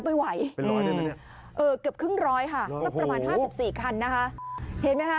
สุดยอดดีแล้วล่ะ